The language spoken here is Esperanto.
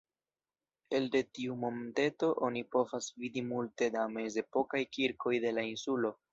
Elde tiu monteto oni povas vidi multe da mezepokaj kirkoj de la insulo.